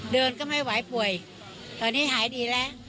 เดินก็ไม่ไหวป่วยตอนนี้หายดีแล้ว